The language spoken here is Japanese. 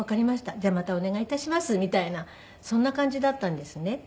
じゃあまたお願い致します」みたいなそんな感じだったんですね。